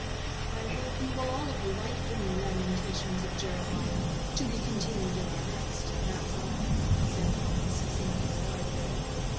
"I hope you will all of you like the new Lamentations of Jeremiah—'to be continued in our next'—that's all," said Hans, seizing his wide awake.